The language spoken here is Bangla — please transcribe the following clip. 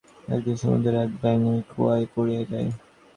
একদিন সমুদ্রের এক ব্যাঙ ঐ কুয়ায় পড়িয়া যায়।